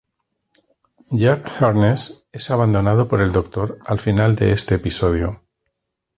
Jack Harkness es abandonado por el Doctor al final de este episodio.